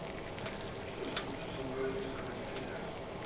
Los frutos son verdes con espinas.